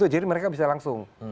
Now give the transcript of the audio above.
jadi mereka bisa langsung